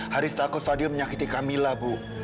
haris takut fadil menyakiti kamila bu